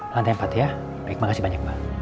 lantai empat ya baik makasih banyak mbak